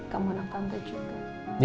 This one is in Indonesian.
kamu anak tante juga